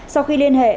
sau khi liên hệ